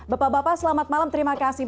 bapak bapak selamat malam terima kasih